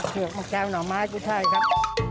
โอเคครับเสือกแก้วหน่อม้าผูช่ายครับ